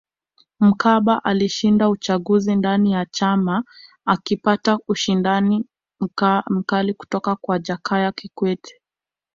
Mkapa alishinda uchaguzi ndani ya chama akipata ushindani mkali kutoka kwa Jakaya Kikwete